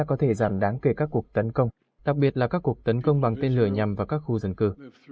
có thể giảm đáng kể các cuộc tấn công đặc biệt là các cuộc tấn công bằng tên lửa nhằm vào các khu dân cư